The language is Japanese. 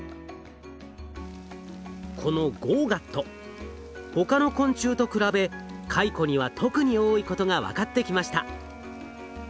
このＧＯＧＡＴ他の昆虫と比べカイコには特に多いことが分かってきました。